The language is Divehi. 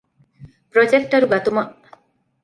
ޕްރޮޖެކްޓަރު ގަތުމަށް